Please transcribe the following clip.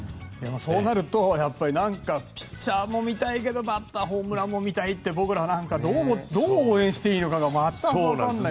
そうなると、なんかピッチャーも見たいけどバッターホームランも見たいって僕らはどう応援していいのかが全くわからないですね。